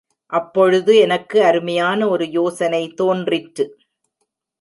அப்பொழுது எனக்கு அருமையான ஒரு யோசனை தோன்றிற்று.